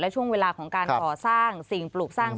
ช่วงเวลาของการก่อสร้างสิ่งปลูกสร้าง